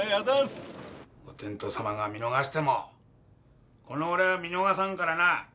おてんとさまが見逃してもこの俺は見逃さんからな。